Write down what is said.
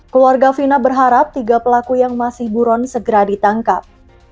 keluarga fina berharap tiga pelaku yang masih buron segera ditangkap